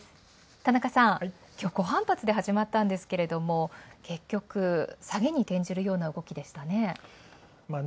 田中さん、今日、小反発で始まったんですが結局、下げに転じるような動きでしたね。